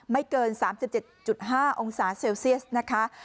ไม่เกิน๓๗๕องศาเซลเซียสนะคะ